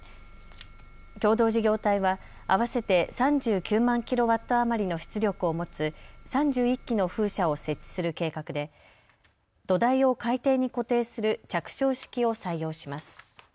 共同事業体は合わせて３９万ｋＷ余りの出力を持つ３１基の風車を設置する計画で土台を海底に固定する着床式を採用します。